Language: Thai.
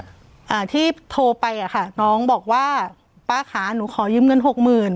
อ่าที่โทรไปอ่ะค่ะน้องบอกว่าป้าขาหนูขอยืมเงินหกหมื่น